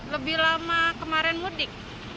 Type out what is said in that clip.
lebih lama kemarin mudik